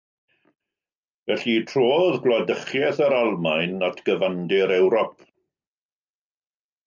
Felly trodd gwladychiaeth yr Almaen at gyfandir Ewrop.